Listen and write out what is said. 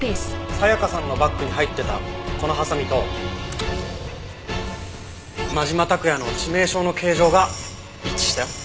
沙也加さんのバッグに入ってたこのハサミと真島拓也の致命傷の形状が一致したよ。